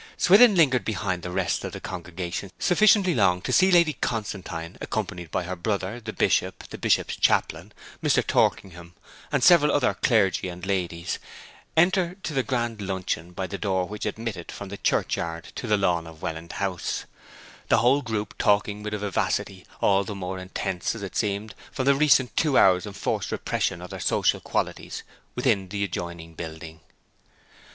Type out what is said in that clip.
Swithin lingered behind the rest of the congregation sufficiently long to see Lady Constantine, accompanied by her brother, the Bishop, the Bishop's chaplain, Mr. Torkingham, and several other clergy and ladies, enter to the grand luncheon by the door which admitted from the churchyard to the lawn of Welland House; the whole group talking with a vivacity all the more intense, as it seemed, from the recent two hours' enforced repression of their social qualities within the adjoining building.